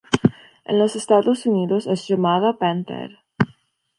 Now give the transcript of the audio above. En los Estados Unidos es llamada "Panther".